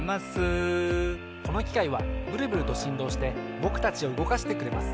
このきかいはブルブルとしんどうしてぼくたちをうごかしてくれます。